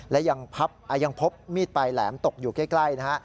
และยังพบมีดปลายแหลมตกอยู่ใกล้นะฮะ